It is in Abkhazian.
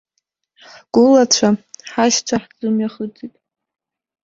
Ҳгәылацәа, ҳашьцәа ҳзымҩахыҵит.